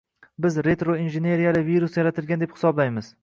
«Biz retro-injeneriyali virus yaratilgan deb hisoblaymiz.